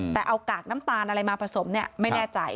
แต่เอากากน้ำตาลอะไรมาผสมเนี่ยไม่แน่ใจ